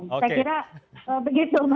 saya kira begitu